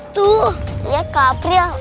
tuh lihat kapril